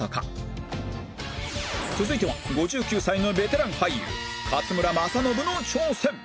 続いては５９歳のベテラン俳優勝村政信の挑戦